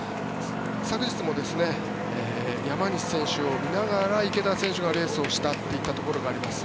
昨日も山西選手を見ながら池田選手がレースをしたといったところがあります。